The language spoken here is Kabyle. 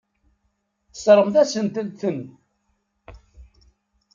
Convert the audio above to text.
Tesseṛɣemt-asent-ten.